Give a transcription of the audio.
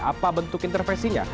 apa bentuk intervensinya